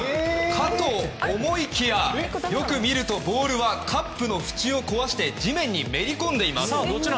かと思いきやよく見るとボールはカップのふちを壊して地面にめり込んでいます。